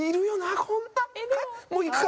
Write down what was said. もういくか。